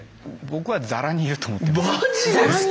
僕はざらにいると思ってます。